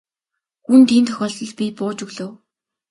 Гүн тийм тохиолдолд би бууж өглөө.